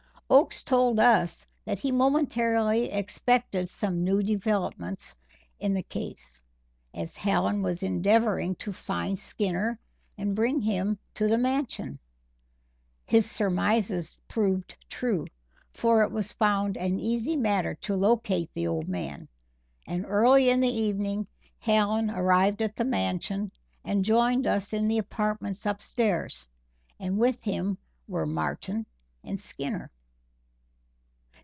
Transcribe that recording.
Oakes told us that he momentarily expected some new developments in the case, as Hallen was endeavoring to find Skinner and bring him to the Mansion. His surmises proved true, for it was found an easy matter to locate the old man; and early in the evening Hallen arrived at the Mansion and joined us in the apartments upstairs, and with him were Martin and Skinner.